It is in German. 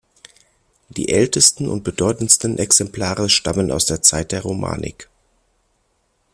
Die ältesten und bedeutendsten Exemplare stammen aus der Zeit der Romanik.